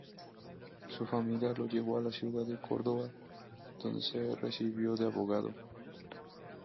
Su familia lo llevó a la ciudad de Córdoba, donde se recibió de abogado.